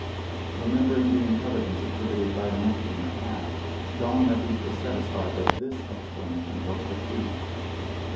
Remembering the intelligence exhibited by the monkey in the past, Don at least was satisfied that this explanation was the true one.